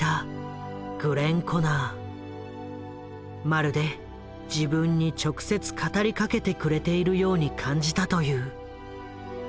まるで自分に直接語りかけてくれているように感じたという。